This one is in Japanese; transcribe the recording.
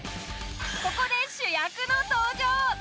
ここで主役の登場。